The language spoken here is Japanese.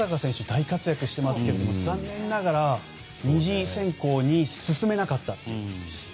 大活躍していますけど残念ながら２次選考に進めなかったと。